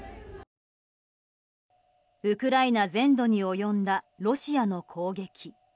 ウクライナ全土に及んだロシアの攻撃。